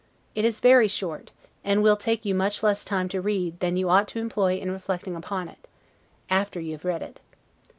It is very short, and will take you much less time to read, than you ought to employ in reflecting upon it, after you have read it.